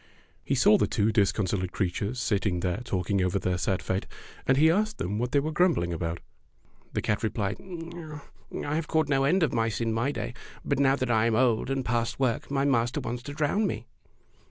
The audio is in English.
He saw the two discon solate creatures sitting there talking over their sad fate, and he asked them what they were grumbling about. The cat replied, 'T have caught no end of mice in my day, but now that I am old and past work my master wants to drown me."